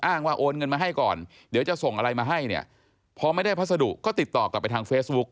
ว่าโอนเงินมาให้ก่อนเดี๋ยวจะส่งอะไรมาให้เนี่ยพอไม่ได้พัสดุก็ติดต่อกลับไปทางเฟซบุ๊ค